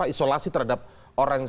isolasi terhadap orang yang